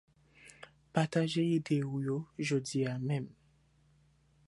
pataje ide ou yo jodya menm